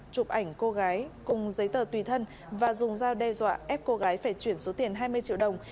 chụp ảnh cô gái cùng giấy tờ tùy thân và dùng dao đe dọa ép cô gái phải chuyển số tiền hai mươi triệu đồng